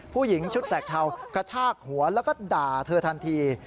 ผู้หญิงชุดแสกเทากระชากหัวแล้วก็ด่าเธอทันที